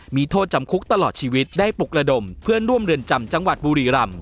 มีโทษจำคุกตลอดชีวิตได้ปลุกระดมเพื่อนร่วมเรือนจำจังหวัดบุรีรำ